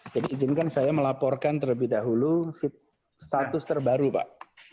jadi izinkan saya melaporkan terlebih dahulu status terbaru pak